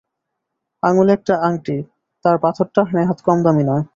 আঙুলে একটা আংটি– তার পাথরটা নেহাত কম দামি নয়।